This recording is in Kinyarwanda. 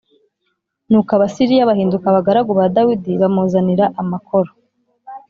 nuko Abasiriya bahinduka abagaragu ba Dawidi bamuzanira amakoro.